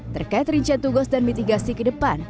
terkait rincian tugas dan mitigasi ke depan